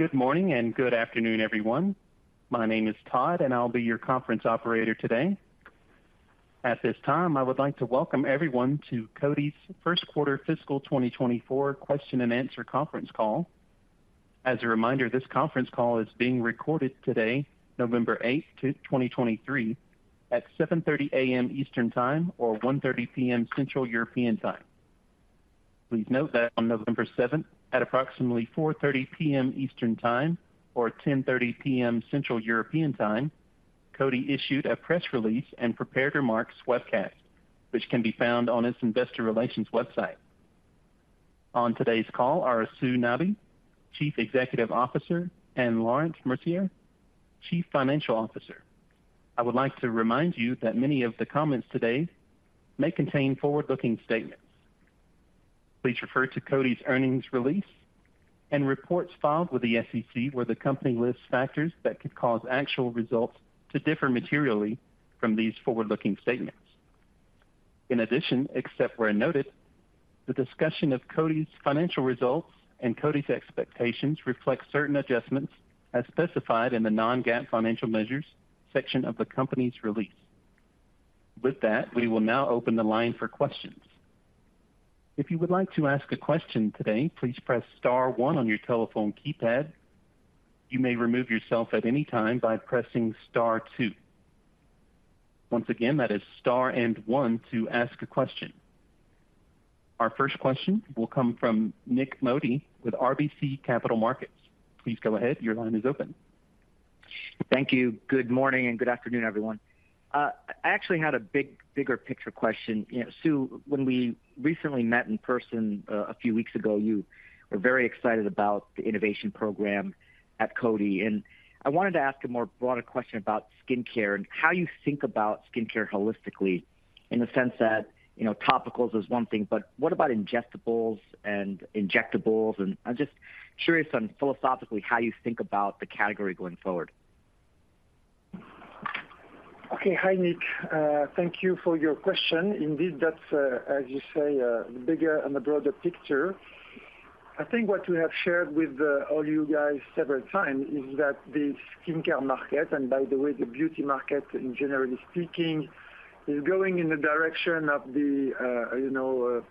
Good morning, and good afternoon, everyone. My name is Todd, and I'll be your conference operator today. At this time, I would like to welcome everyone to Coty's first quarter fiscal 2024 question and answer conference call. As a reminder, this conference call is being recorded today, November 8, 2023, at 7:30 A.M. Eastern Time or 1:30 P.M. Central European Time. Please note that on November 7, at approximately 4:30 P.M. Eastern Time or 10:30 P.M. Central European Time, Coty issued a press release and prepared remarks webcast, which can be found on its investor relations website. On today's call are Sue Nabi, Chief Executive Officer, and Laurent Mercier, Chief Financial Officer. I would like to remind you that many of the comments today may contain forward-looking statements. Please refer to Coty's earnings release and reports filed with the SEC, where the company lists factors that could cause actual results to differ materially from these forward-looking statements. In addition, except where noted, the discussion of Coty's financial results and Coty's expectations reflect certain adjustments as specified in the non-GAAP financial measures section of the company's release. With that, we will now open the line for questions. If you would like to ask a question today, please press star one on your telephone keypad. You may remove yourself at any time by pressing star two. Once again, that is star and one to ask a question. Our first question will come from Nik Modi with RBC Capital Markets. Please go ahead. Your line is open. Thank you. Good morning, and good afternoon, everyone. I actually had a bigger picture question. You know, Sue, when we recently met in person, a few weeks ago, you were very excited about the innovation program at Coty, and I wanted to ask a more broader question about skincare and how you think about skincare holistically, in the sense that, you know, topicals is one thing, but what about ingestibles and injectables? And I'm just curious, philosophically, how you think about the category going forward? Okay. Hi, Nick. Thank you for your question. Indeed, that's, as you say, the bigger and the broader picture. I think what we have shared with all you guys several times is that the skincare market, and by the way, the beauty market, generally speaking, is going in the direction of the, you know,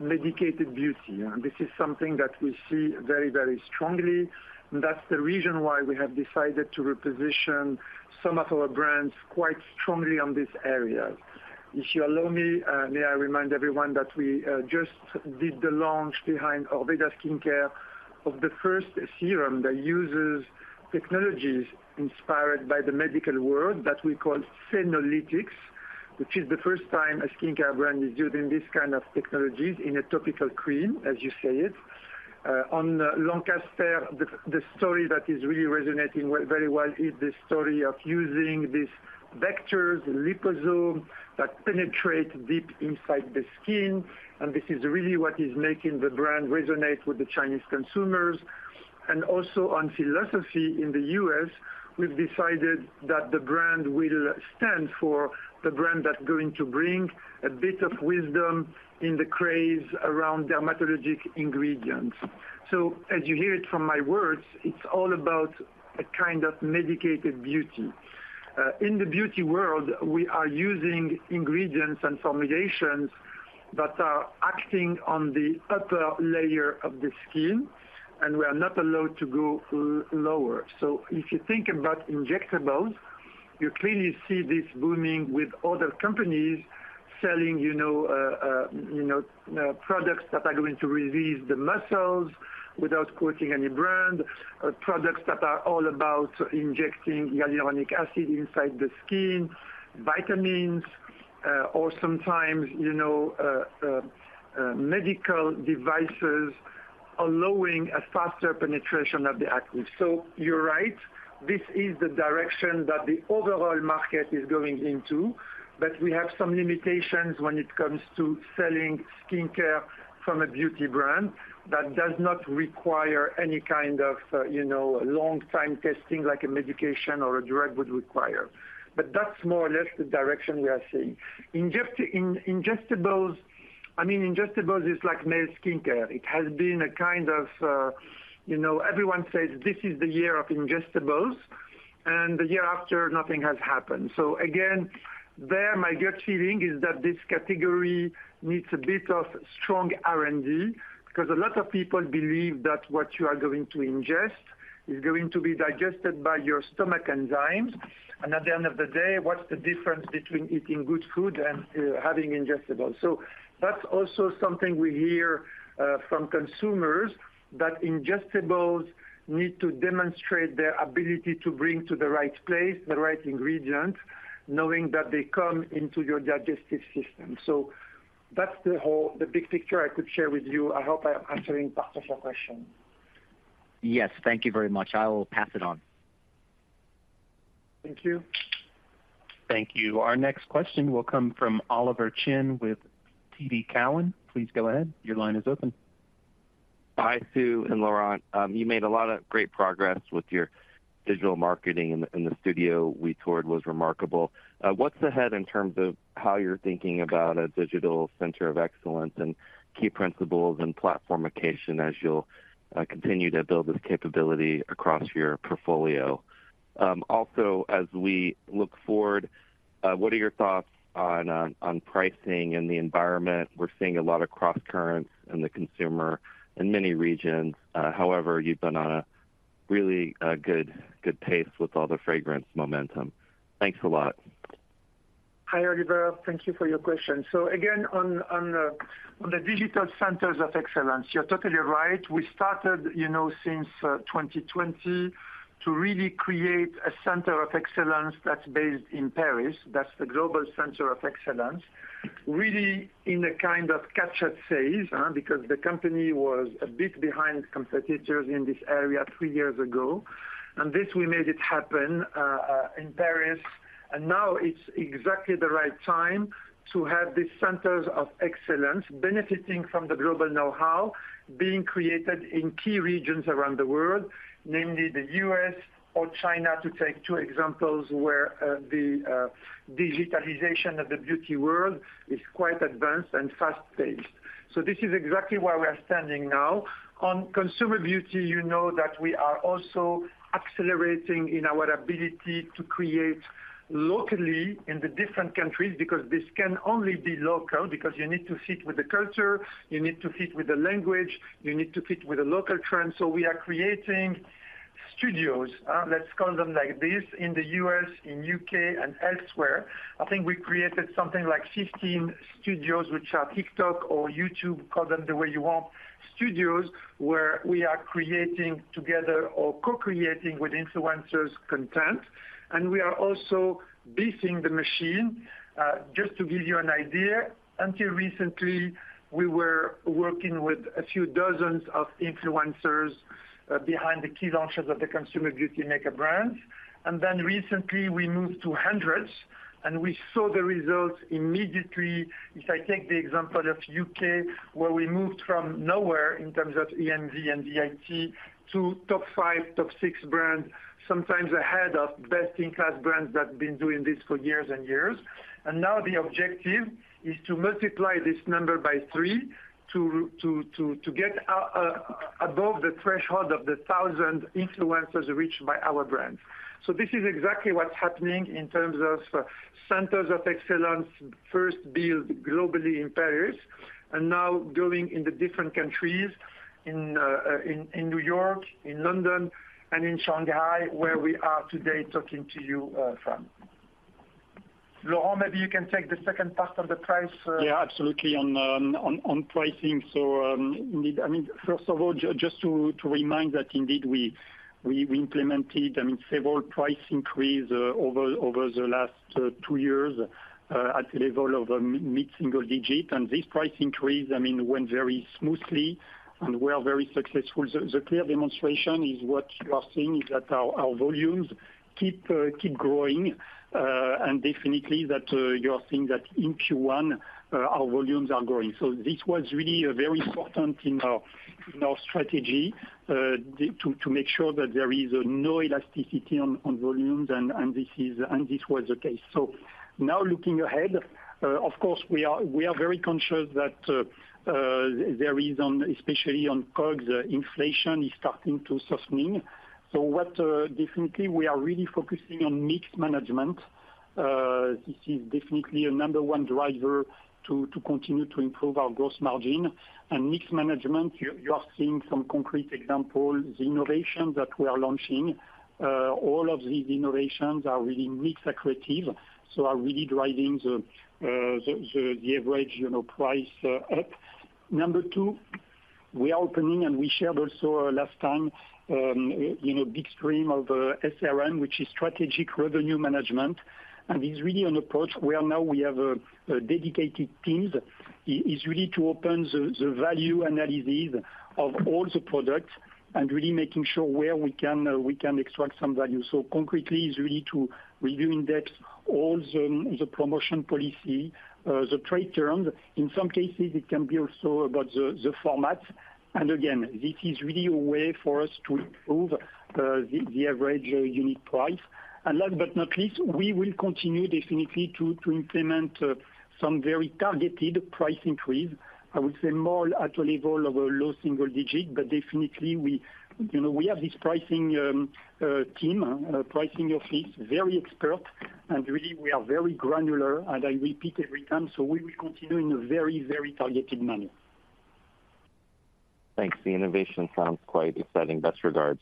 medicated beauty. And this is something that we see very, very strongly, and that's the reason why we have decided to reposition some of our brands quite strongly on this area. If you allow me, may I remind everyone that we just did the launch behind Orveda Skincare of the first serum that uses technologies inspired by the medical world that we call senolytics, which is the first time a skincare brand is using this kind of technologies in a topical cream, as you say it. On Lancaster, the story that is really resonating very well is the story of using these vectors, liposome, that penetrate deep inside the skin, and this is really what is making the brand resonate with the Chinese consumers. Also on Philosophy in the U.S., we've decided that the brand will stand for the brand that's going to bring a bit of wisdom in the craze around dermatologic ingredients. As you hear it from my words, it's all about a kind of medicated beauty. In the beauty world, we are using ingredients and formulations that are acting on the upper layer of the skin, and we are not allowed to go lower. So if you think about injectables, you clearly see this booming with other companies selling, you know, products that are going to relieve the muscles without quoting any brand, products that are all about injecting hyaluronic acid inside the skin, vitamins, or sometimes, you know, medical devices, allowing a faster penetration of the active. So you're right, this is the direction that the overall market is going into, but we have some limitations when it comes to selling skincare from a beauty brand that does not require any kind of, you know, long time testing like a medication or a drug would require. But that's more or less the direction we are seeing. I mean, ingestibles is like male skincare. It has been a kind of, you know, everyone says this is the year of ingestibles, and the year after, nothing has happened. So again, there, my gut feeling is that this category needs a bit of strong R&D, because a lot of people believe that what you are going to ingest is going to be digested by your stomach enzymes. And at the end of the day, what's the difference between eating good food and having ingestibles? So that's also something we hear from consumers, that ingestibles need to demonstrate their ability to bring to the right place, the right ingredients, knowing that they come into your digestive system. So that's the whole big picture I could share with you. I hope I am answering part of your question. Yes. Thank you very much. I will pass it on. Thank you. Thank you. Our next question will come from Oliver Chen with TD Cowen. Please go ahead. Your line is open.... Hi, Sue and Laurent. You made a lot of great progress with your digital marketing, and the studio we toured was remarkable. What's ahead in terms of how you're thinking about a digital center of excellence and key principles and platform-ication as you'll continue to build this capability across your portfolio? Also, as we look forward, what are your thoughts on pricing and the environment? We're seeing a lot of cross currents in the consumer in many regions. However, you've been on a really good, good pace with all the fragrance momentum. Thanks a lot. Hi, Oliver. Thank you for your question. So again, on the digital centers of excellence, you're totally right. We started, you know, since 2020 to really create a center of excellence that's based in Paris. That's the global center of excellence, really in a kind of catch-up phase, huh? Because the company was a bit behind competitors in this area three years ago, and this, we made it happen in Paris. And now it's exactly the right time to have these centers of excellence benefiting from the global know-how being created in key regions around the world, namely the U.S. or China, to take two examples where the digitalization of the beauty world is quite advanced and fast-paced. So this is exactly where we are standing now. On consumer beauty, you know that we are also accelerating in our ability to create locally in the different countries, because this can only be local, because you need to fit with the culture, you need to fit with the language, you need to fit with the local trends. So we are creating studios, let's call them like this, in the U.S., in U.K., and elsewhere. I think we created something like 15 studios, which are TikTok or YouTube, call them the way you want. Studios, where we are creating together or co-creating with influencers, content, and we are also beefing the machine. Just to give you an idea, until recently, we were working with a few dozens of influencers, behind the key launches of the consumer beauty maker brands, and then recently we moved to hundreds, and we saw the results immediately. If I take the example of UK, where we moved from nowhere in terms of EMV and VIT to top five, top six brands, sometimes ahead of best-in-class brands that have been doing this for years and years. Now the objective is to multiply this number by three, to get above the threshold of the thousand influencers reached by our brand. So this is exactly what's happening in terms of centers of excellence, first built globally in Paris, and now building in the different countries, in New York, in London, and in Shanghai, where we are today talking to you from. Laurent, maybe you can take the second part of the price. Yeah, absolutely, on pricing. So, indeed, I mean, first of all, just to remind that indeed, we implemented, I mean, several price increase over the last two years at the level of mid-single-digit. And this price increase, I mean, went very smoothly, and we are very successful. The clear demonstration is what you are seeing, is that our volumes keep growing, and definitely that you are seeing that in Q1, our volumes are growing. So this was really a very important in our strategy, to make sure that there is no elasticity on volumes, and this was the case. So now, looking ahead, of course, we are very conscious that there is ongoing, especially on COGS, inflation is starting to soften. So, definitely, we are really focusing on mix management. This is definitely a number one driver to continue to improve our gross margin. And mix management, you are seeing some concrete examples. The innovation that we are launching, all of these innovations are really mix accretive, so are really driving the average, you know, price up. Number two, we are opening, and we shared also last time, you know, big stream of SRM, which is strategic revenue management, and is really an approach where now we have dedicated teams. It's really to open the value analysis of all the products and really making sure where we can, we can extract some value. So concretely, it's really to reviewing that all the promotion policy, the trade terms. In some cases, it can be also about the format. And again, this is really a way for us to improve the average unique price. And last but not least, we will continue definitely to implement some very targeted price increase. I would say more at a level of a low-single-digit, but definitely we, you know, we have this pricing team, pricing office, very expert, and really we are very granular, and I repeat every time, so we will continue in a very, very targeted manner. Thanks. The innovation sounds quite exciting. Best regards.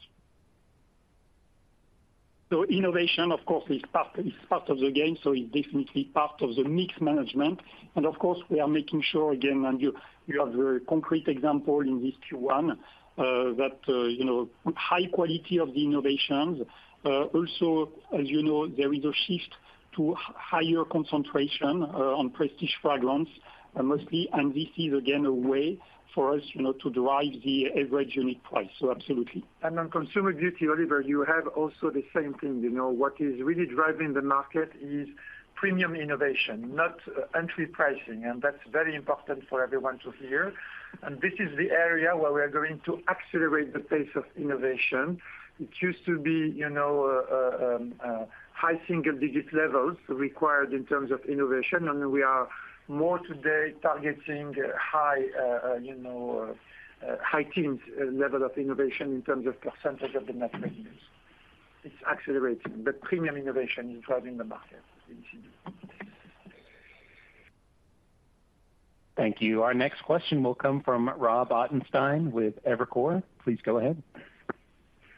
So innovation, of course, is part of the game, so it's definitely part of the mix management. Of course, we are making sure, again, and you have very concrete example in this Q1, that, you know, high quality of the innovations. Also, as you know, there is a shift-... to higher concentration on prestige fragrance mostly, and this is again a way for us, you know, to drive the average unit price, so absolutely. And on consumer beauty, Oliver, you have also the same thing. You know, what is really driving the market is premium innovation, not entry pricing, and that's very important for everyone to hear. And this is the area where we are going to accelerate the pace of innovation. It used to be, you know, high-single-digit levels required in terms of innovation, and we are more today targeting high, you know, high teens level of innovation in terms of percentage of the net revenues. It's accelerating, but premium innovation is driving the market in CB. Thank you. Our next question will come from Rob Ottenstein with Evercore. Please go ahead.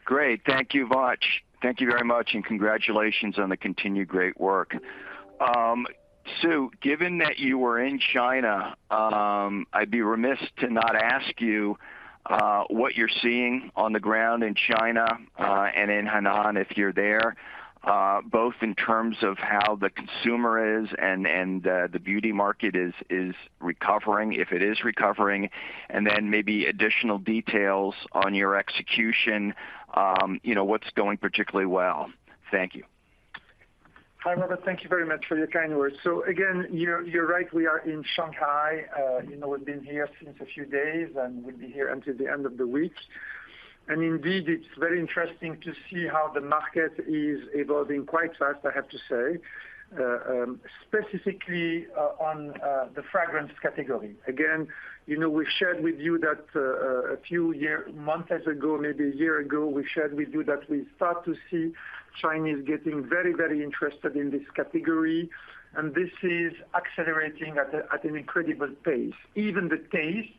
Great, thank you much. Thank you very much, and congratulations on the continued great work. So given that you were in China, I'd be remiss to not ask you what you're seeing on the ground in China and in Hainan, if you're there, both in terms of how the consumer is and the beauty market is recovering, if it is recovering, and then maybe additional details on your execution, you know, what's going particularly well? Thank you. Hi, Robert. Thank you very much for your kind words. So again, you're, you're right, we are in Shanghai. You know, we've been here since a few days, and we'll be here until the end of the week. Indeed, it's very interesting to see how the market is evolving quite fast, I have to say, specifically on the fragrance category. Again, you know, we've shared with you that a few months ago, maybe a year ago, we shared with you that we start to see Chinese getting very, very interested in this category, and this is accelerating at an incredible pace. Even the tastes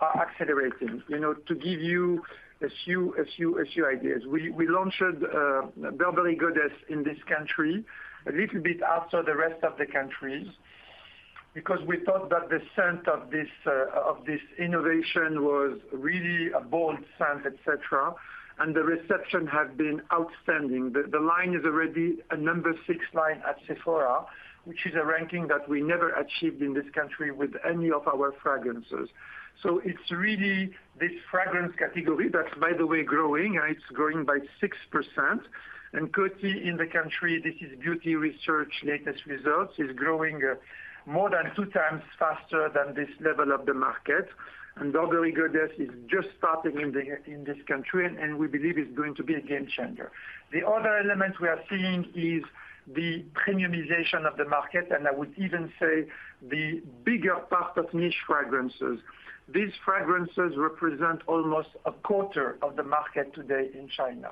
are accelerating. You know, to give you a few ideas, we launched Burberry Goddess in this country a little bit after the rest of the countries because we thought that the scent of this innovation was really a bold scent, et cetera, and the reception has been outstanding. The line is already a number six line at Sephora, which is a ranking that we never achieved in this country with any of our fragrances. So it's really this fragrance category, that's by the way growing, and it's growing by 6%. And Coty in the country, this is beauty research latest results, is growing more than 2x faster than this level of the market. And Burberry Goddess is just starting in this country, and we believe it's going to be a game changer. The other element we are seeing is the premiumization of the market, and I would even say the bigger part of niche fragrances. These fragrances represent almost 25% of the market today in China.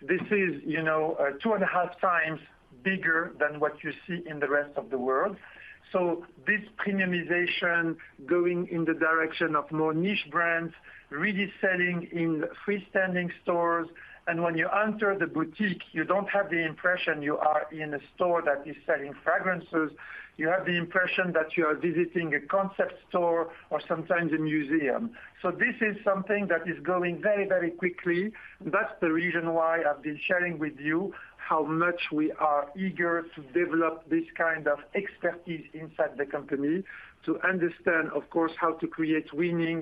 This is, you know, 2.5x bigger than what you see in the rest of the world. So this premiumization going in the direction of more niche brands, really selling in freestanding stores, and when you enter the boutique, you don't have the impression you are in a store that is selling fragrances. You have the impression that you are visiting a concept store or sometimes a museum. So this is something that is growing very, very quickly. That's the reason why I've been sharing with you how much we are eager to develop this kind of expertise inside the company, to understand, of course, how to create winning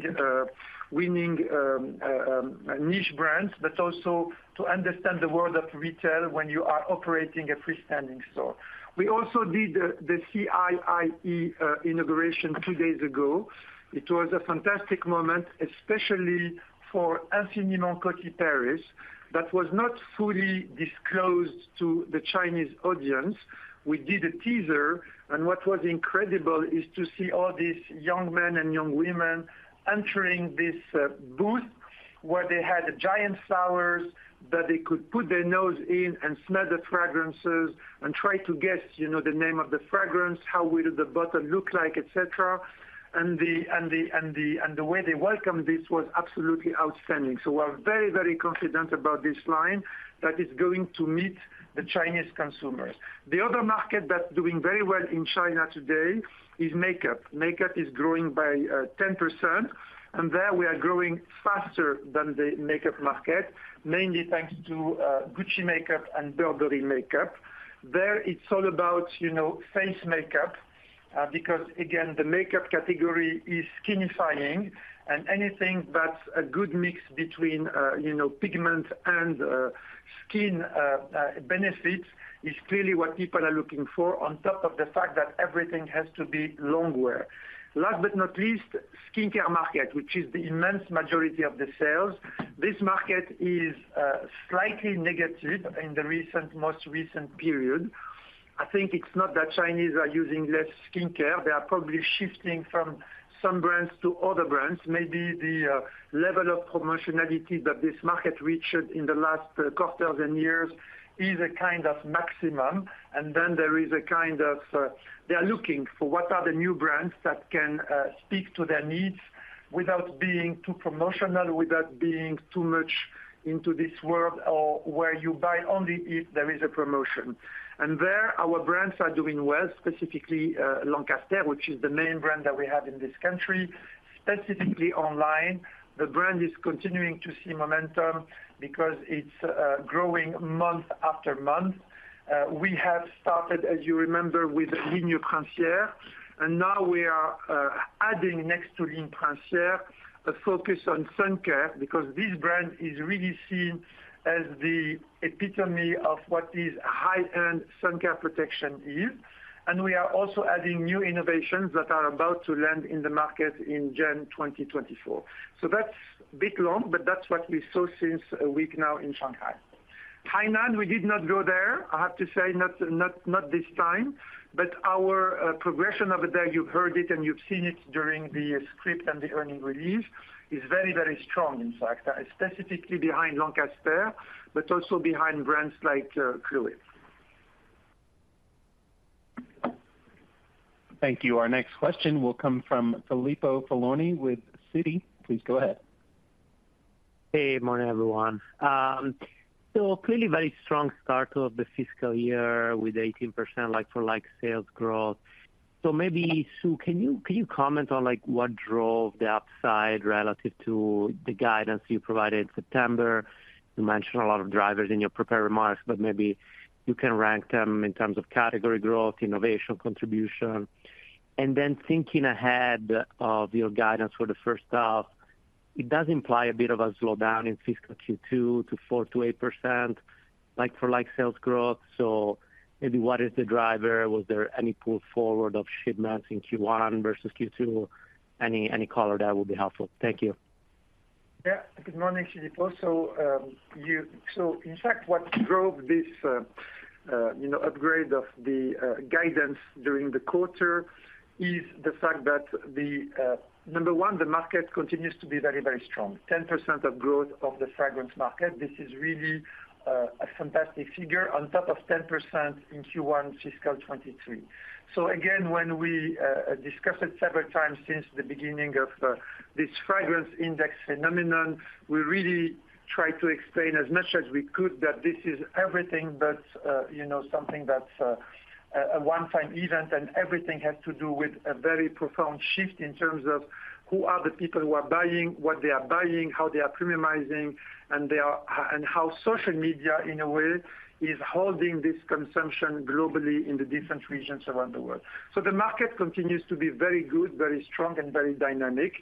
niche brands, but also to understand the world of retail when you are operating a freestanding store. We also did the CIIE inauguration two days ago. It was a fantastic moment, especially for Infiniment Coty Paris, that was not fully disclosed to the Chinese audience. We did a teaser, and what was incredible is to see all these young men and young women entering this booth, where they had giant flowers that they could put their nose in and smell the fragrances and try to guess, you know, the name of the fragrance, how will the bottle look like, et cetera. And the way they welcomed this was absolutely outstanding. So we're very, very confident about this line that is going to meet the Chinese consumers. The other market that's doing very well in China today is makeup. Makeup is growing by 10%, and there we are growing faster than the makeup market, mainly thanks to Gucci Makeup and Burberry Makeup. There, it's all about, you know, face makeup, because, again, the makeup category is skinifying, and anything that's a good mix between, you know, pigment and skin benefits is clearly what people are looking for on top of the fact that everything has to be long wear. Last but not least, skincare market, which is the immense majority of the sales. This market is slightly negative in the recent, most recent period. I think it's not that Chinese are using less skincare. They are probably shifting from some brands to other brands. Maybe the level of proportionality that this market reached in the last quarters and years is a kind of maximum, and then there is a kind of... They are looking for what are the new brands that can speak to their needs without being too promotional, without being too much into this world or where you buy only if there is a promotion. And there, our brands are doing well, specifically Lancaster, which is the main brand that we have in this country.... Specifically online, the brand is continuing to see momentum because it's growing month after month. We have started, as you remember, with Ligne Princière, and now we are adding next to Ligne Princière, a focus on sun care, because this brand is really seen as the epitome of what is high-end sun care protection is. And we are also adding new innovations that are about to land in the market in January 2024. So that's a bit long, but that's what we saw since a week now in Shanghai. Hainan, we did not go there. I have to say, not, not, not this time, but our progression over there, you've heard it, and you've seen it during the script and the earnings release, is very, very strong, in fact, specifically behind Lancaster, but also behind brands like Chloé. Thank you. Our next question will come from Filippo Falorni with Citi. Please go ahead. Hey, morning, everyone. So clearly very strong start of the fiscal year with 18% like-for-like sales growth. So maybe, Sue, can you, can you comment on, like, what drove the upside relative to the guidance you provided in September? You mentioned a lot of drivers in your prepared remarks, but maybe you can rank them in terms of category growth, innovation, contribution. And then thinking ahead of your guidance for the first half, it does imply a bit of a slowdown in fiscal Q2 to 4%-8% like-for-like sales growth. So maybe what is the driver? Was there any pull forward of shipments in Q1 versus Q2? Any, any color, that would be helpful. Thank you. Yeah. Good morning, Filippo. So, in fact, what drove this, you know, upgrade of the guidance during the quarter is the fact that, number one, the market continues to be very, very strong. 10% growth of the fragrance market, this is really a fantastic figure on top of 10% in Q1 fiscal 2023. So again, when we discussed it several times since the beginning of this fragrance index phenomenon, we really tried to explain as much as we could that this is everything, but you know, something that's a one-time event, and everything has to do with a very profound shift in terms of who are the people who are buying, what they are buying, how they are premiumizing, and how social media, in a way, is holding this consumption globally in the different regions around the world. So the market continues to be very good, very strong, and very dynamic,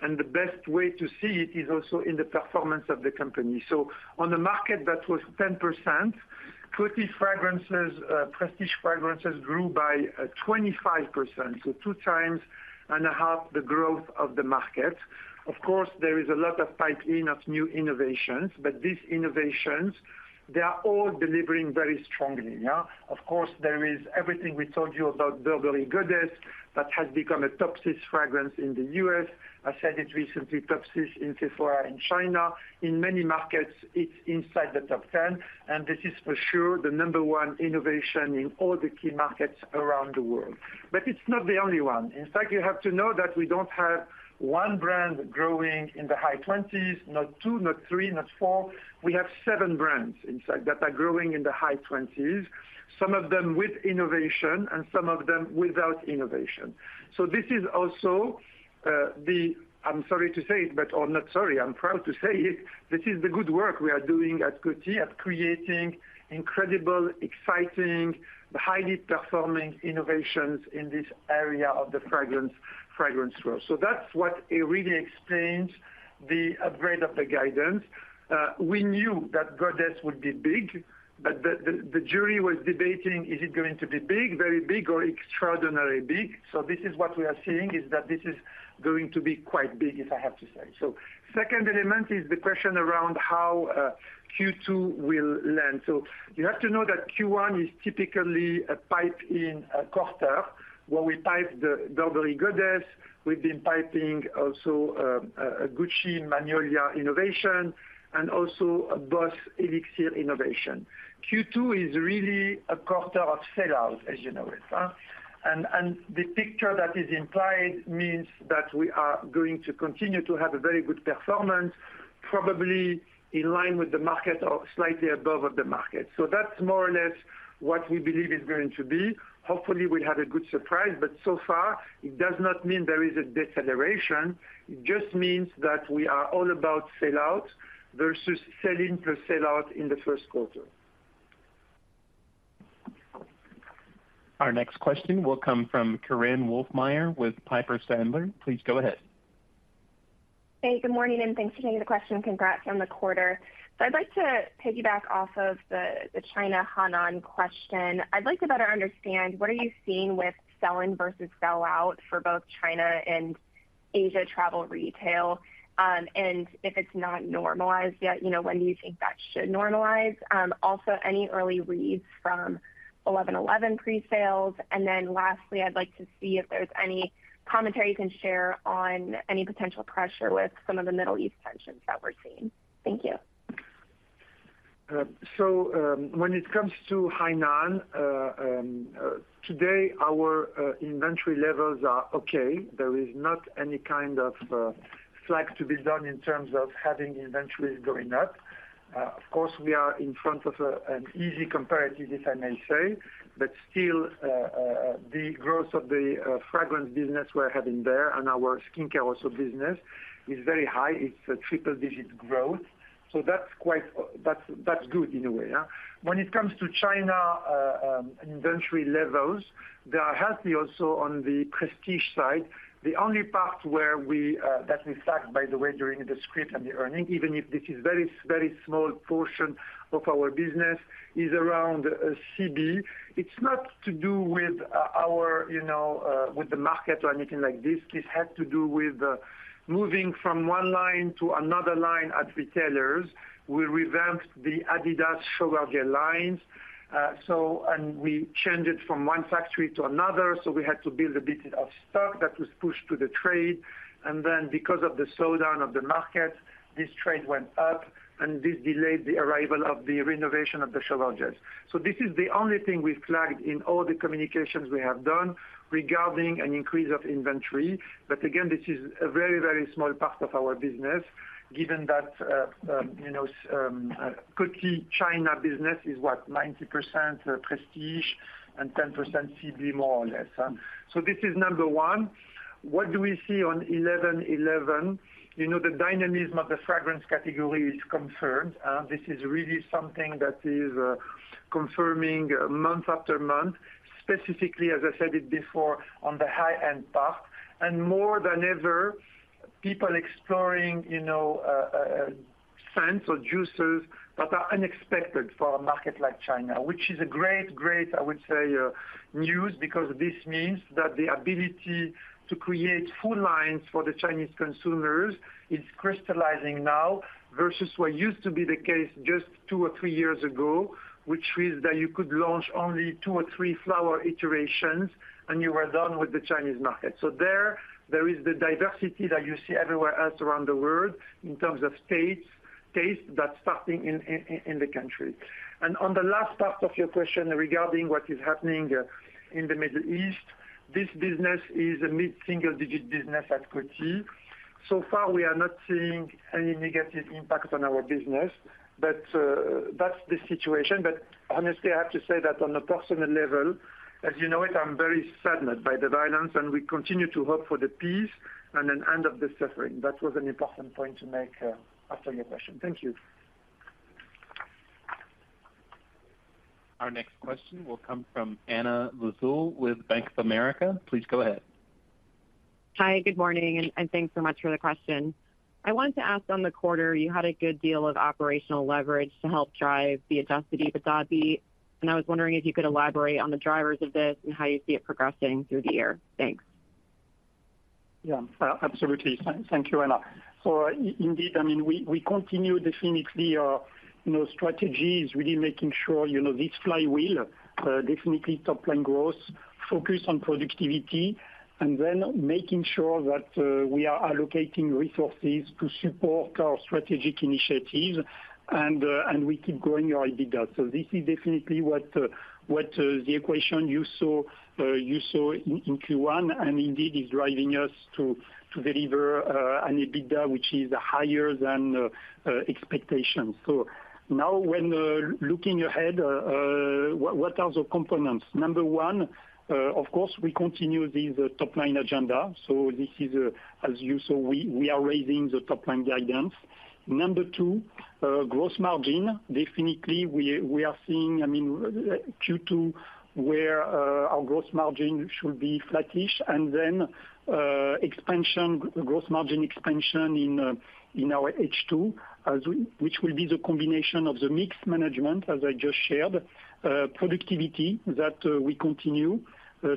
and the best way to see it is also in the performance of the company. So on the market, that was 10%. Coty fragrances, prestige fragrances grew by 25%, so 2.5x the growth of the market. Of course, there is a lot of pipeline of new innovations, but these innovations, they are all delivering very strongly, yeah. Of course, there is everything we told you about Burberry Goddess, that has become a top six fragrance in the U.S. I said it recently, top six in Sephora in China. In many markets, it's inside the top 10, and this is for sure the number one innovation in all the key markets around the world. But it's not the only one. In fact, you have to know that we don't have one brand growing in the high twenties, not two, not three, not four. We have seven brands, in fact, that are growing in the high twenties, some of them with innovation and some of them without innovation. So this is also the... I'm sorry to say it, but—or not sorry, I'm proud to say it, this is the good work we are doing at Coty at creating incredible, exciting, highly performing innovations in this area of the fragrance, fragrance world. So that's what it really explains, the upgrade of the guidance. We knew that Goddess would be big, but the jury was debating, is it going to be big, very big, or extraordinarily big? So this is what we are seeing, is that this is going to be quite big, if I have to say. So second element is the question around how Q2 will land. So you have to know that Q1 is typically a pipe in a quarter, where we pipe the Burberry Goddess. We've been piping also a Gucci Magnolia innovation and also a Boss Elixir innovation. Q2 is really a quarter of sell-out, as you know it, huh? And, and the picture that is implied means that we are going to continue to have a very good performance, probably in line with the market or slightly above of the market. So that's more or less what we believe is going to be. Hopefully, we'll have a good surprise, but so far, it does not mean there is a deceleration. It just means that we are all about sell-out versus sell-in plus sell-out in the first quarter. Our next question will come from Korinne Wolfmeyer with Piper Sandler. Please go ahead. Hey, good morning, and thanks for taking the question. Congrats on the quarter. So I'd like to piggyback off of the China Hainan question. I'd like to better understand what are you seeing with sell-in versus sell-out for both China and Asia travel retail? And if it's not normalized yet, you know, when do you think that should normalize? Also, any early reads from 11.11 pre-sales? And then lastly, I'd like to see if there's any commentary you can share on any potential pressure with some of the Middle East tensions that we're seeing. Thank you. So, when it comes to Hainan, today, our inventory levels are okay. There is not any kind of flag to be done in terms of having inventories going up. Of course, we are in front of an easy comparative, if I may say, but still, the growth of the fragrance business we're having there and our skincare also business is very high. It's a triple-digit growth, so that's quite, that's, that's good in a way, yeah? When it comes to China, inventory levels, they are healthy also on the prestige side. The only part where we that we flagged, by the way, during the script and the earnings, even if this is very, very small portion of our business, is around CB. It's not to do with our, you know, with the market or anything like this. This had to do with moving from one line to another line at retailers. We revamped the Adidas Shower Gel lines, so. And we changed it from one factory to another, so we had to build a bit of stock that was pushed to the trade. And then because of the slowdown of the market, this trade went up, and this delayed the arrival of the renovation of the shower gels. So this is the only thing we've flagged in all the communications we have done regarding an increase of inventory. But again, this is a very, very small part of our business, given that, you know, Coty China business is, what, 90% Prestige and 10% CB, more or less, huh? So this is number one. What do we see on 11.11? You know, the dynamism of the fragrance category is confirmed, and this is really something that is confirming month after month, specifically, as I said it before, on the high-end part. And more than ever, people exploring, you know, scents or juices that are unexpected for a market like China, which is a great, great, I would say, news, because this means that the ability to create full lines for the Chinese consumers is crystallizing now versus what used to be the case just two or three years ago, which is that you could launch only two or three flower iterations, and you were done with the Chinese market. So there is the diversity that you see everywhere else around the world in terms of taste, that's starting in the country. And on the last part of your question regarding what is happening in the Middle East, this business is a mid-single-digit business at Coty. So far, we are not seeing any negative impact on our business, but that's the situation. But honestly, I have to say that on a personal level, as you know it, I'm very saddened by the violence, and we continue to hope for the peace and an end of the suffering. That was an important point to make after your question. Thank you. Our next question will come from Anna Lizzul with Bank of America. Please go ahead. Hi, good morning, and thanks so much for the question. I wanted to ask, on the quarter, you had a good deal of operational leverage to help drive the adjusted EBITDA beat, and I was wondering if you could elaborate on the drivers of this and how you see it progressing through the year. Thanks. Yeah, absolutely. Thank you, Anna. So indeed, I mean, we continue definitely, you know, strategies, really making sure, you know, this flywheel, definitely top-line growth, focus on productivity, and then making sure that we are allocating resources to support our strategic initiative, and we keep growing our EBITDA. So this is definitely what the equation you saw in Q1, and indeed, is driving us to deliver an EBITDA, which is higher than expectation. So now, when looking ahead, what are the components? Number one, of course, we continue the top-line agenda. So this is, as you saw, we are raising the top-line guidance. Number two, gross margin. Definitely, we are seeing, I mean, Q2, where our gross margin should be flattish, and then expansion, gross margin expansion in our H2, which will be the combination of the mix management, as I just shared, productivity that we continue,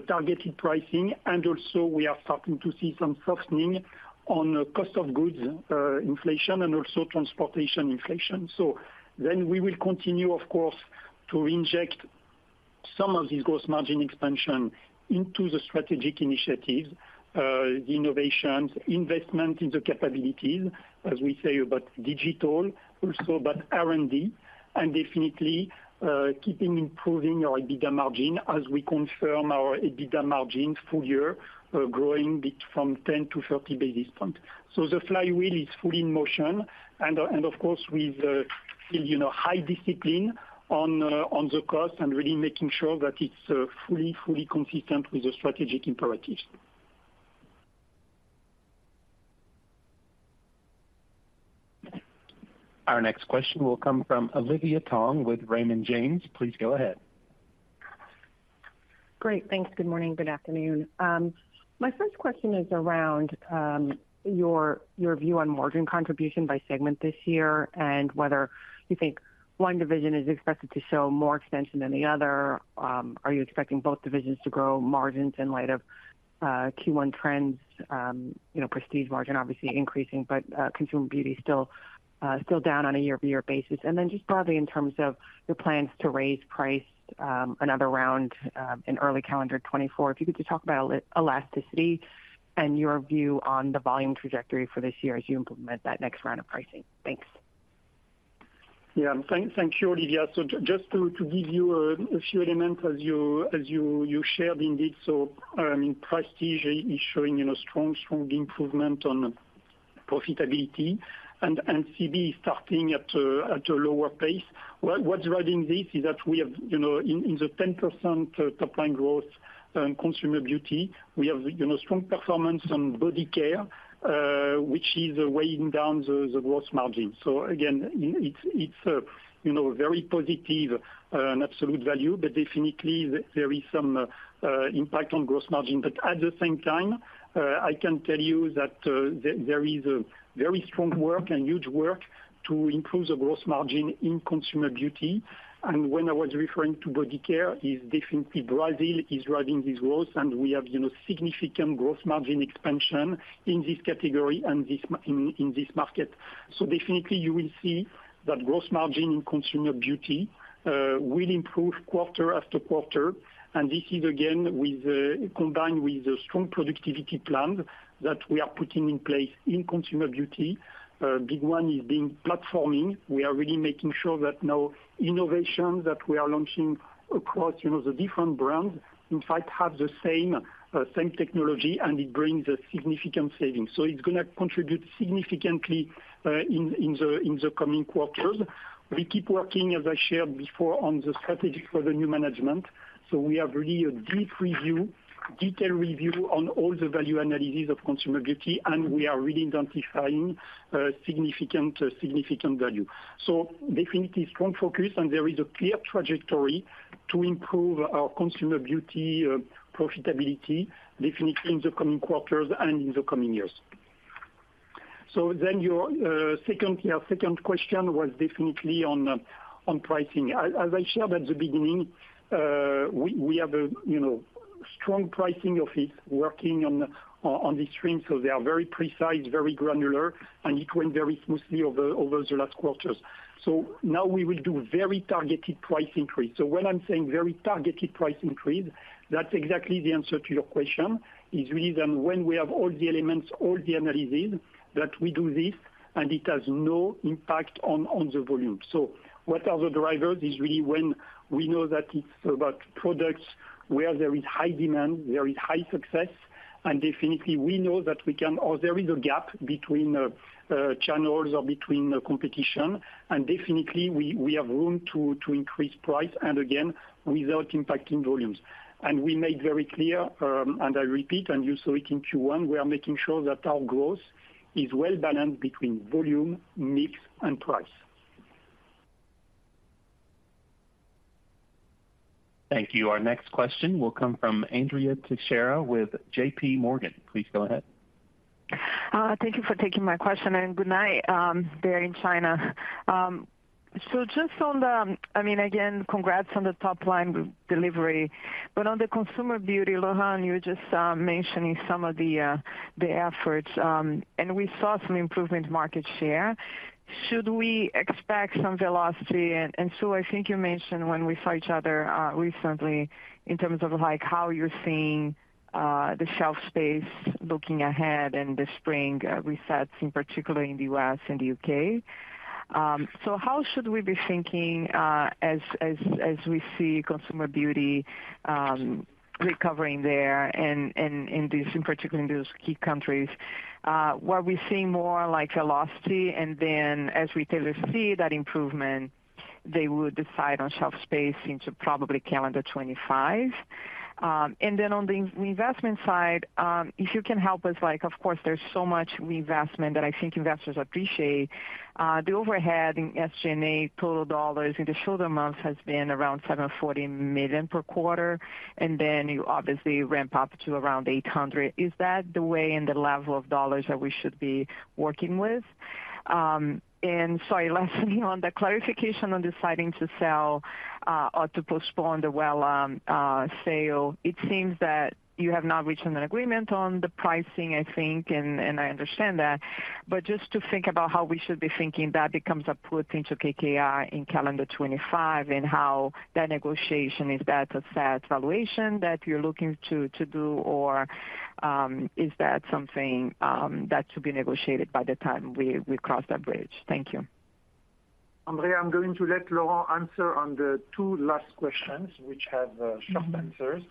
targeted pricing, and also we are starting to see some softening on cost of goods inflation, and also transportation inflation. So then we will continue, of course, to inject some of this gross margin expansion into the strategic initiative, the innovations, investment in the capabilities, as we say, about digital, also about R&D, and definitely keeping improving our EBITDA margin as we confirm our EBITDA margin full year growing from 10-30 basis points. So the flywheel is fully in motion and of course, with you know, high discipline on the cost and really making sure that it's fully consistent with the strategic imperatives. Our next question will come from Olivia Tong with Raymond James. Please go ahead. Great. Thanks. Good morning. Good afternoon. My first question is around your view on margin contribution by segment this year and whether you think one division is expected to show more expansion than the other. Are you expecting both divisions to grow margins in light of Q1 trends? You know, prestige margin obviously increasing, but consumer beauty still down on a year-over-year basis. And then just broadly, in terms of your plans to raise price another round in early calendar 2024, if you could just talk about elasticity and your view on the volume trajectory for this year as you implement that next round of pricing. Thanks. Yeah. Thank you, Olivia. So just to give you a few elements as you shared, indeed. So, in Prestige, it is showing, you know, strong improvement on... profitability and CB starting at a lower pace. What's driving this is that we have, you know, in the 10% top-line growth in consumer beauty, we have, you know, strong performance in body care, which is weighing down the gross margin. So again, it's a, you know, very positive absolute value, but definitely there is some impact on gross margin. But at the same time, I can tell you that there is a very strong work and huge work to improve the gross margin in consumer beauty. And when I was referring to body care, is definitely Brazil is driving this growth, and we have, you know, significant gross margin expansion in this category and this in this market. So definitely you will see that gross margin in consumer beauty will improve quarter after quarter. This is again, with combined with the strong productivity plan that we are putting in place in consumer beauty. Big one is being platforming. We are really making sure that no innovation that we are launching across, you know, the different brands, in fact, have the same technology, and it brings a significant savings. It's gonna contribute significantly in the coming quarters. We keep working, as I shared before, on the strategy for the new management. We have really a deep review, detailed review on all the value analysis of consumer beauty, and we are really identifying significant value. So definitely strong focus, and there is a clear trajectory to improve our Consumer Beauty profitability, definitely in the coming quarters and in the coming years. So then your second, your second question was definitely on pricing. As I shared at the beginning, we have a, you know, strong pricing office working on this stream, so they are very precise, very granular, and it went very smoothly over the last quarters. So now we will do very targeted price increase. So when I'm saying very targeted price increase, that's exactly the answer to your question, is really then when we have all the elements, all the analysis, that we do this, and it has no impact on the volume. So what are the drivers? It's really when we know that it's about products where there is high demand, there is high success, and definitely we know that we can or there is a gap between channels or between competition, and definitely we have room to increase price, and again, without impacting volumes. And we made very clear, and I repeat, and you saw it in Q1, we are making sure that our growth is well balanced between volume, mix and price. Thank you. Our next question will come from Andrea Teixeira with JPMorgan. Please go ahead. Thank you for taking my question, and good night there in China. So just on the... I mean, again, congrats on the top-line delivery. But on the consumer beauty, Laurent, you were just mentioning some of the efforts, and we saw some improvement in market share. Should we expect some velocity? And so I think you mentioned when we saw each other recently, in terms of, like, how you're seeing the shelf space looking ahead and the spring resets, in particular in the U.S. and the U.K. So how should we be thinking as we see consumer beauty recovering there and in particular in those key countries? Were we seeing more like velocity, and then as retailers see that improvement, they would decide on shelf space into probably calendar 2025? And then on the investment side, if you can help us, like, of course, there's so much reinvestment that I think investors appreciate. The overhead in SG&A total dollars in the shorter months has been around $740 million per quarter, and then you obviously ramp up to around $800 million. Is that the way and the level of dollars that we should be working with? And sorry, lastly, on the clarification on deciding to sell or to postpone the Wella sale, it seems that you have not reached an agreement on the pricing, I think, and I understand that. Just to think about how we should be thinking, that becomes a put into KKR in calendar 2025, and how that negotiation, is that a set valuation that you're looking to do, or is that something that should be negotiated by the time we cross that bridge? Thank you. Andrea, I'm going to let Laurent answer on the two last questions, which have short answers.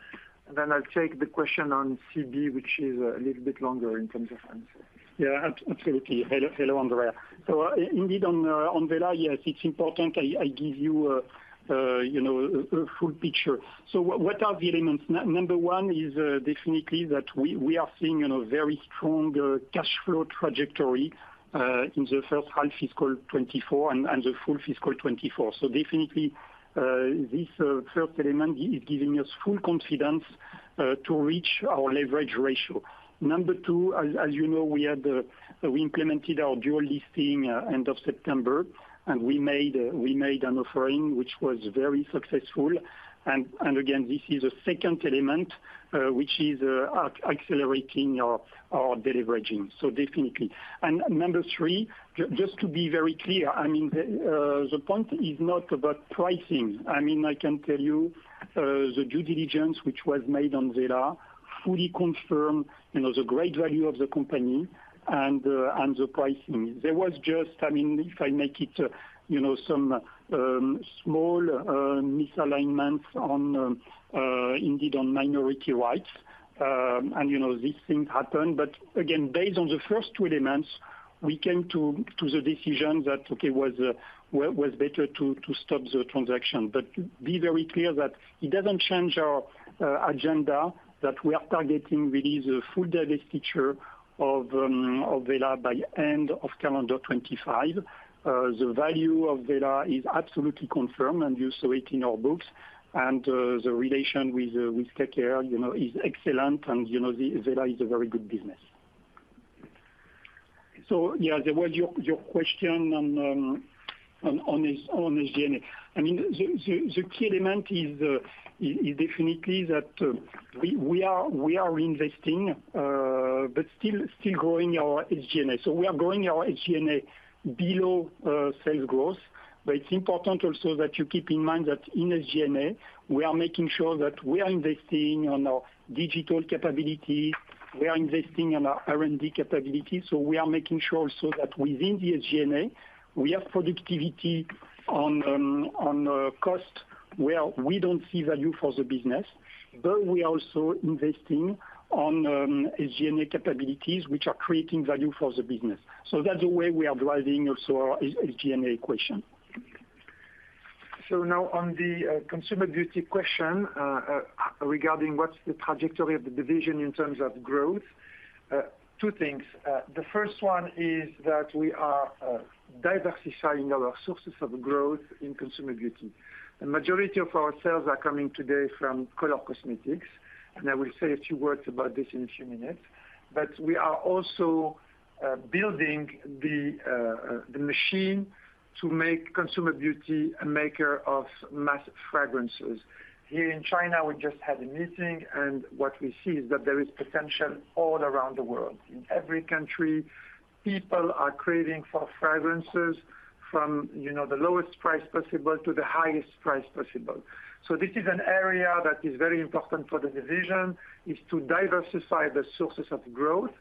Mm-hmm. Then I'll take the question on CB, which is a little bit longer in terms of answer. Yeah, absolutely. Hello, Andrea. So indeed, on Wella, yes, it's important I give you, you know, a full picture. So what are the elements? Number one is definitely that we are seeing, you know, very strong cash flow trajectory in the first half fiscal 2024 and the full fiscal 2024. So definitely, this first element is giving us full confidence to reach our leverage ratio. Number two, as you know, we had implemented our dual listing end of September, and we made an offering, which was very successful. And again, this is a second element which is accelerating our deleveraging. So definitely. Number three, just to be very clear, I mean, the point is not about pricing. I mean, I can tell you, the due diligence, which was made on Wella, fully confirmed, you know, the great value of the company and the pricing. There was just... I mean, if I make it, you know, some small misalignment on, indeed, on minority rights.... and you know, these things happen. But again, based on the first two elements, we came to the decision that, okay, it was better to stop the transaction. But be very clear that it doesn't change our agenda, that we are targeting really the full integration of Wella by end of calendar 2025. The value of Wella is absolutely confirmed, and you saw it in our books, and the relation with KKR, you know, is excellent, and, you know, the Wella is a very good business. So, yeah, there was your question on SG&A. I mean, the key element is definitely that we are investing, but still growing our SG&A. So we are growing our SG&A below sales growth. But it's important also that you keep in mind that in SG&A, we are making sure that we are investing on our digital capability, we are investing in our R&D capability. So we are making sure also that within the SG&A, we have productivity on cost, where we don't see value for the business, but we are also investing on SG&A capabilities, which are creating value for the business. So that's the way we are driving also our SG&A equation. So now on the consumer beauty question, regarding what's the trajectory of the division in terms of growth, two things. The first one is that we are diversifying our sources of growth in consumer beauty. The majority of our sales are coming today from color cosmetics, and I will say a few words about this in a few minutes. But we are also building the machine to make consumer beauty a maker of mass fragrances. Here in China, we just had a meeting, and what we see is that there is potential all around the world. In every country, people are craving for fragrances from, you know, the lowest price possible to the highest price possible. So this is an area that is very important for the division, is to diversify the sources of growth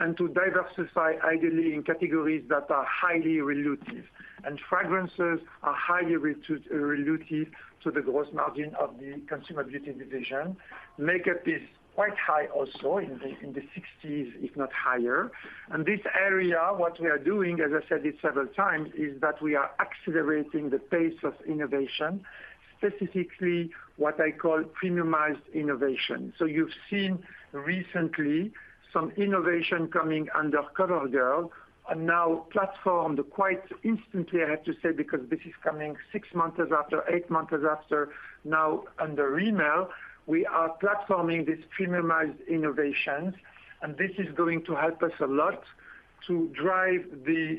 and to diversify, ideally, in categories that are highly dilutive. And fragrances are highly dilutive to the gross margin of the consumer beauty division. Makeup is quite high also, in the 60s, if not higher. And this area, what we are doing, as I said this several times, is that we are accelerating the pace of innovation, specifically what I call premiumized innovation. So you've seen recently some innovation coming under CoverGirl and now platformed quite instantly, I have to say, because this is coming six months after, eight months after. Now under Rimmel, we are platforming these premiumized innovations, and this is going to help us a lot to drive the,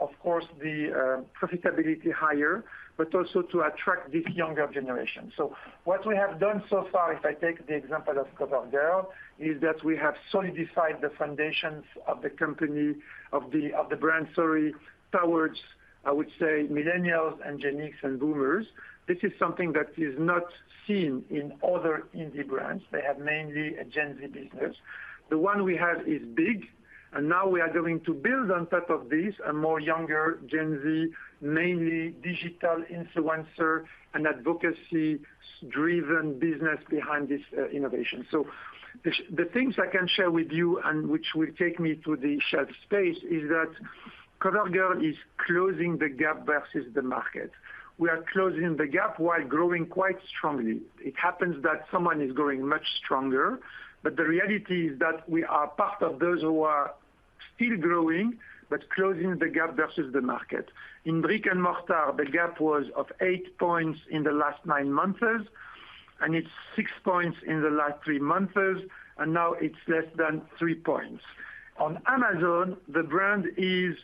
of course, the profitability higher, but also to attract this younger generation. So what we have done so far, if I take the example of CoverGirl, is that we have solidified the foundations of the company, of the, of the brand, sorry, towards, I would say, millennials and Gen X and boomers. This is something that is not seen in other indie brands. They have mainly a Gen Z business. The one we have is big, and now we are going to build on top of this a more younger Gen Z, mainly digital influencer and advocacy-driven business behind this, innovation. So the things I can share with you, and which will take me to the shelf space, is that CoverGirl is closing the gap versus the market. We are closing the gap while growing quite strongly. It happens that someone is growing much stronger, but the reality is that we are part of those who are still growing, but closing the gap versus the market. In brick-and-mortar, the gap was of eight points in the last nine months, and it's six points in the last three months, and now it's less than three points. On Amazon, the brand is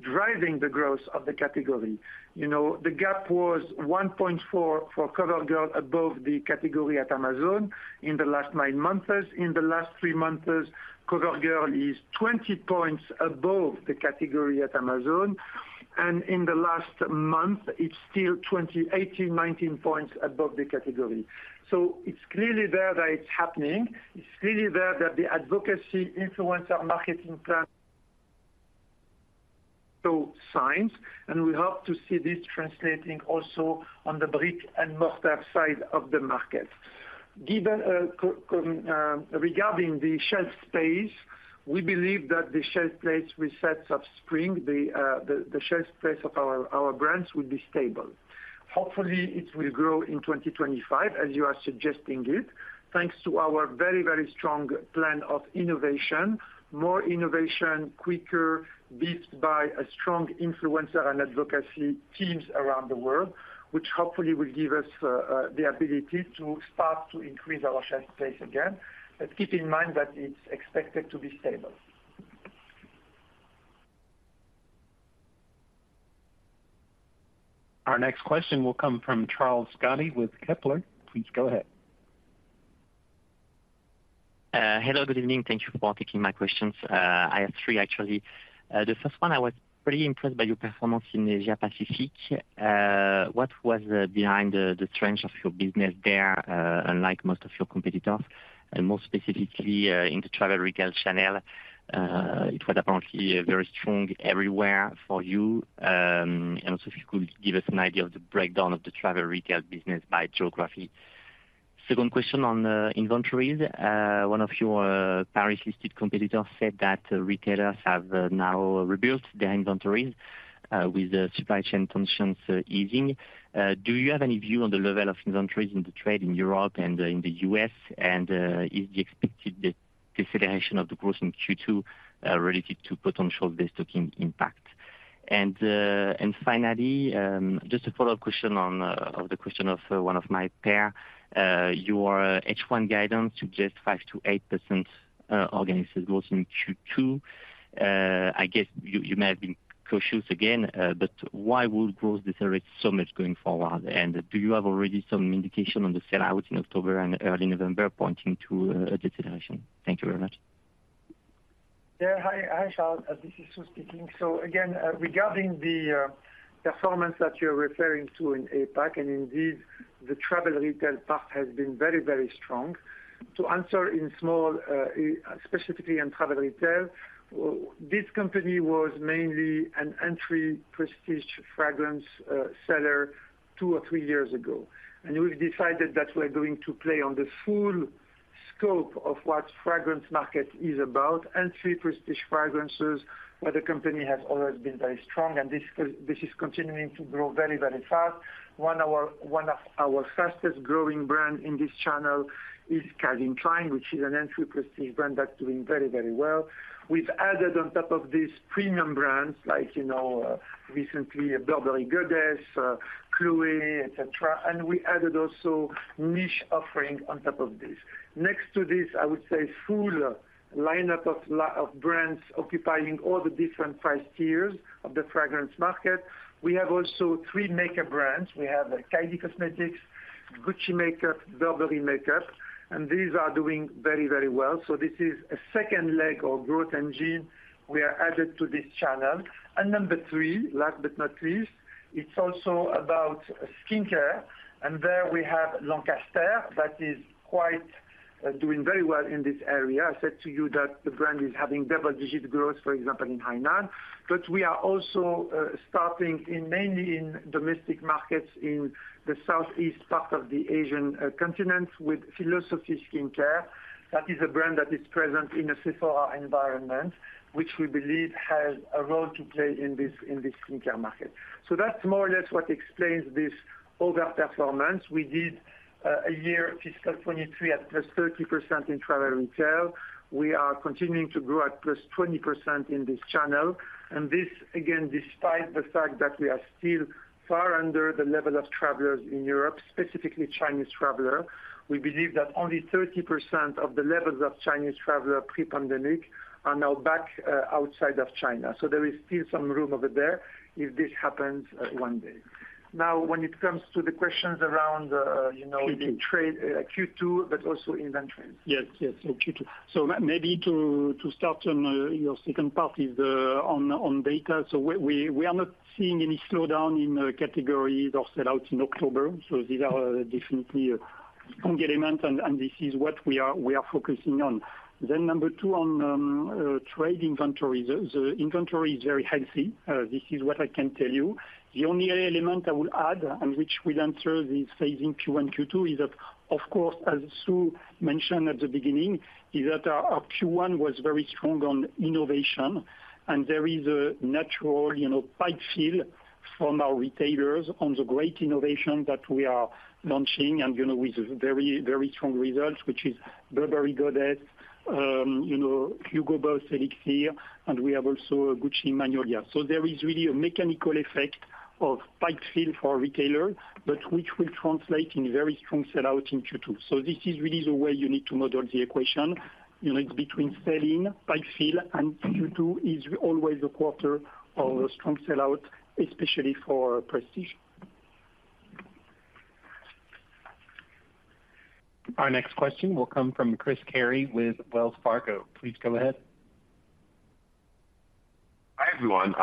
driving the growth of the category. You know, the gap was 1.4 for CoverGirl above the category at Amazon in the last nine months. In the last three months, CoverGirl is 20 points above the category at Amazon, and in the last month, it's still 20, 18, 19 points above the category. So it's clearly there that it's happening. It's clearly there that the advocacy influencer marketing plan signs, and we hope to see this translating also on the brick-and-mortar side of the market. Given, regarding the shelf space, we believe that the shelf space with sets of spring, the shelf space of our brands will be stable. Hopefully, it will grow in 2025, as you are suggesting it, thanks to our very, very strong plan of innovation, more innovation, quicker, beefed by a strong influencer and advocacy teams around the world, which hopefully will give us the ability to start to increase our shelf space again. But keep in mind that it's expected to be stable. Our next question will come from Charles SCOTTI with Kepler. Please go ahead. Hello, good evening. Thank you for taking my questions. I have three, actually. The first one, I was pretty impressed by your performance in Asia Pacific. What was behind the strength of your business there, unlike most of your competitors, and more specifically, in the travel retail channel? It was apparently very strong everywhere for you. And also if you could give us an idea of the breakdown of the travel retail business by geography. Second question on the inventories. One of your Paris-listed competitors said that retailers have now rebuilt their inventories with the supply chain tensions easing. Do you have any view on the level of inventories in the trade in Europe and in the US? Is the expected deceleration of the growth in Q2 related to potential destocking impact? And finally, just a follow-up question on the question of one of my peers. Your H1 guidance suggests 5%-8% organic growth in Q2. I guess you may have been cautious again, but why would growth decelerate so much going forward? And do you have already some indication on the sell-out in October and early November pointing to a deceleration? Thank you very much. Yeah. Hi, hi, Charles, this is Sue speaking. So again, regarding the performance that you're referring to in APAC, and indeed, the travel retail part has been very, very strong. To answer in small, specifically in travel retail, this company was mainly an entry prestige fragrance seller two or three years ago, and we've decided that we're going to play on the full scope of what fragrance market is about, entry prestige fragrances, where the company has always been very strong, and this is continuing to grow very, very fast. One of our fastest growing brand in this channel is Calvin Klein, which is an entry prestige brand that's doing very, very well. We've added on top of this premium brands like, you know, recently, Burberry Goddess, Chloé, et cetera, and we added also niche offering on top of this. Next to this, I would say, full lineup of of brands occupying all the different price tiers of the fragrance market. We have also three makeup brands. We have Kylie Cosmetics, Gucci Makeup, Burberry Makeup, and these are doing very, very well. So this is a second leg of growth engine we are added to this channel. And number three, last but not least, it's also about skincare, and there we have Lancaster, that is quite doing very well in this area. I said to you that the brand is having double-digit growth, for example, in Hainan. But we are also starting in, mainly in domestic markets in the southeast part of the Asian continent, with Philosophy Skincare. That is a brand that is present in a Sephora environment, which we believe has a role to play in this, in this skincare market. So that's more or less what explains this overperformance. We did a year fiscal 2023 at +30% in travel retail. We are continuing to grow at +20% in this channel, and this, again, despite the fact that we are still far under the level of travelers in Europe, specifically Chinese traveler. We believe that only 30% of the levels of Chinese traveler pre-pandemic are now back outside of China. So there is still some room over there if this happens one day. Now, when it comes to the questions around, you know, the trade, Q2, but also inventories. Yes, yes, so Q2. So maybe to start on, your second part is, on data. So we are not seeing any slowdown in categories or sell-out in October, so these are definitely a strong element and this is what we are focusing on. Then number two, on trade inventory. The inventory is very healthy, this is what I can tell you. The only element I will add, and which will answer this phase in Q1, Q2, is that, of course, as Sue mentioned at the beginning, is that our, our Q1 was very strong on innovation, and there is a natural, you know, pipe fill from our retailers on the great innovation that we are launching and, you know, with very, very strong results, which is Burberry Goddess, you know, Hugo Boss Elixir, and we have also a Gucci Magnolia. So there is really a mechanical effect of pipe fill for retailer, but which will translate in very strong sell-out in Q2. So this is really the way you need to model the equation. You know, it's between selling, pipe fill, and Q2 is always a quarter of a strong sell-out, especially for prestige. Our next question will come from Chris Carey with Wells Fargo. Please go ahead. Hi, everyone.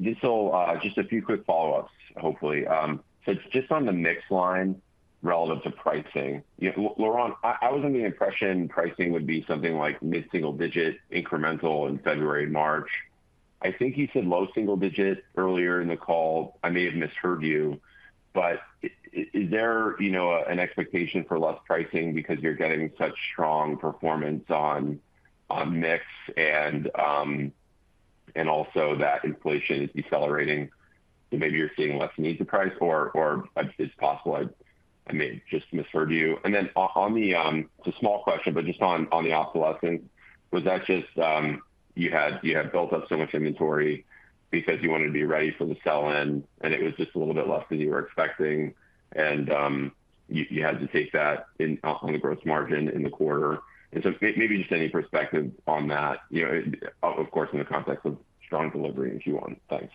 Just so, just a few quick follow-ups, hopefully. So just on the mix line relative to pricing, if Laurent, I was under the impression pricing would be something like mid-single digit incremental in February, March. I think you said low-single-digit earlier in the call. I may have misheard you, but is there, you know, an expectation for less pricing because you're getting such strong performance on mix and also that inflation is decelerating, so maybe you're seeing less need to price or it's possible, I may have just misheard you. And then on the, it's a small question, but just on the obsolescence, was that just, you had, you had built up so much inventory because you wanted to be ready for the sell-in, and it was just a little bit less than you were expecting, and, you had to take that in on the gross margin in the quarter? And so maybe just any perspective on that, you know, of course, in the context of strong delivery in Q1. Thanks.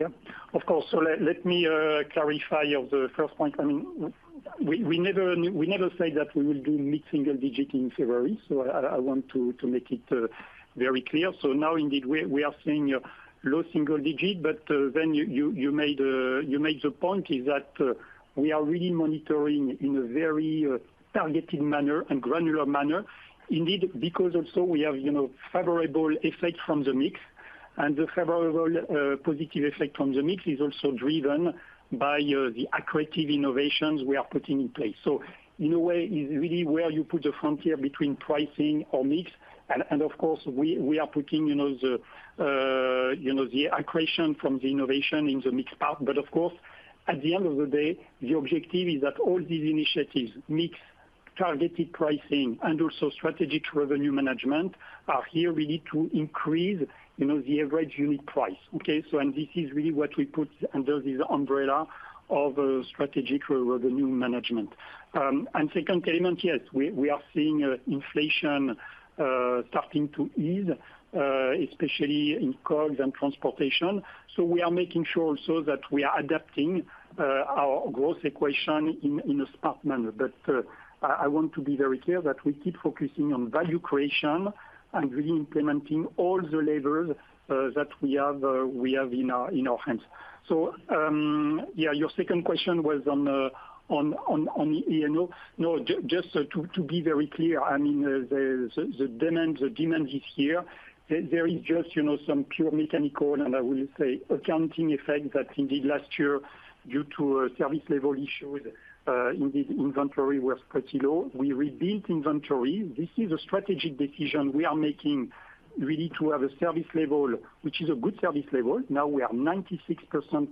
Yeah, of course. So let me clarify on the first point. I mean, we never said that we will do mid-single-digit in February, so I want to make it very clear. So now, indeed, we are seeing a low-single-digit, but then you made the point is that we are really monitoring in a very targeted manner and granular manner. Indeed, because also we have, you know, favorable effect from the mix.... and the favorable, positive effect from the mix is also driven by, the accretive innovations we are putting in place. So in a way, it's really where you put the frontier between pricing or mix. And, and of course, we are putting, you know, the, you know, the accretion from the innovation in the mix part. But of course, at the end of the day, the objective is that all these initiatives, mix, targeted pricing, and also strategic revenue management, are here really to increase, you know, the average unit price, okay? So and this is really what we put under this umbrella of, strategic revenue management. And second element, yes, we are seeing, inflation starting to ease, especially in COGS and transportation. So we are making sure also that we are adapting our growth equation in a smart manner. But I want to be very clear that we keep focusing on value creation and really implementing all the levers that we have in our hands. So yeah, your second question was on you know... No, just to be very clear, I mean, the demand is here. There is just you know, some pure mechanical, and I will say, accounting effect that indeed last year, due to a service level issue with inventory was pretty low. We rebuilt inventory. This is a strategic decision we are making really to have a service level, which is a good service level. Now we are 96%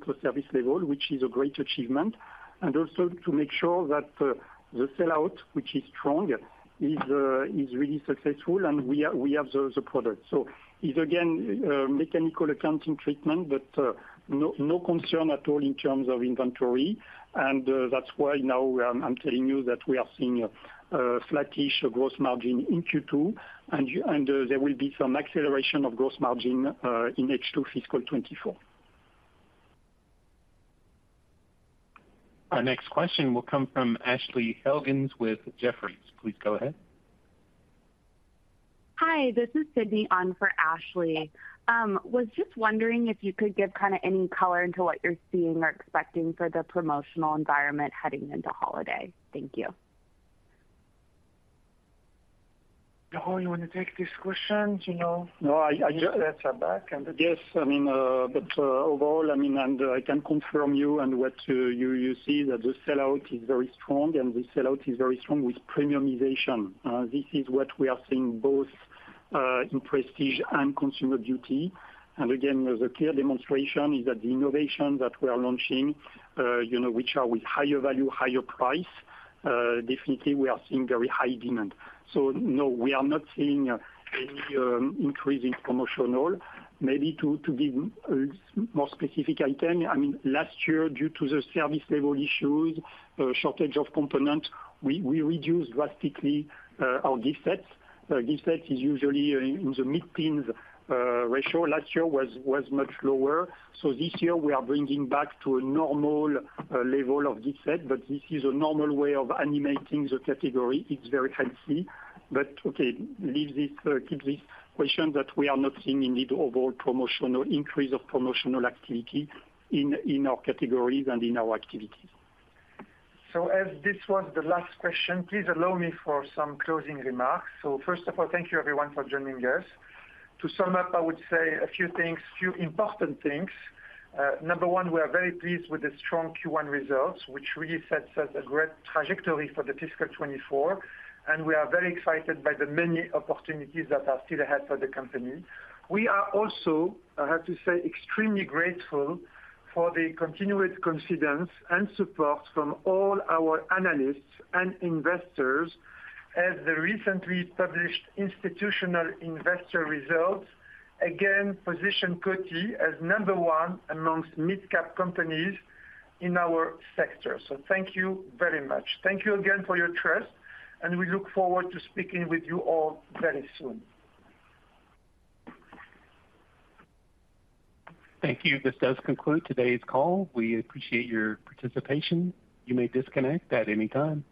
per service level, which is a great achievement, and also to make sure that the sellout, which is strong, is really successful, and we have the product. So it's again mechanical accounting treatment, but no concern at all in terms of inventory. And that's why now I'm telling you that we are seeing a flattish gross margin in Q2, and there will be some acceleration of gross margin in H2 fiscal 2024. Our next question will come from Ashley Helgans with Jefferies. Please go ahead. Hi, this is Sydney on for Ashley. Was just wondering if you could give kind of any color into what you're seeing or expecting for the promotional environment heading into holiday. Thank you. You want to take this question? Do you know- No, I just- Discounts are back, and yes, I mean, but overall, I mean, and I can confirm you and what you see, that the sell-out is very strong, and the sell-out is very strong with premiumization. This is what we are seeing both in Prestige and Consumer Beauty. And again, the clear demonstration is that the innovation that we are launching, you know, which are with higher value, higher price, definitely we are seeing very high demand. So no, we are not seeing any increase in promotional. Maybe to give a more specific item, I mean, last year, due to the service level issues, shortage of components, we reduced drastically our gift sets. Gift set is usually in the mid-teens ratio. Last year was, was much lower. So this year we are bringing back to a normal level of gift set, but this is a normal way of animating the category. It's very healthy. But okay, leave this, keep this question that we are not seeing indeed overall promotional increase of promotional activity in our categories and in our activities. So as this was the last question, please allow me for some closing remarks. So first of all, thank you everyone for joining us. To sum up, I would say a few things, few important things. Number one, we are very pleased with the strong Q1 results, which really sets us a great trajectory for the fiscal 2024, and we are very excited by the many opportunities that are still ahead for the company. We are also, I have to say, extremely grateful for the continuous confidence and support from all our analysts and investors, as the recently published Institutional Investor results again positioned Coty as number one amongst mid-cap companies in our sector. So thank you very much. Thank you again for your trust, and we look forward to speaking with you all very soon. Thank you. This does conclude today's call. We appreciate your participation. You may disconnect at any time.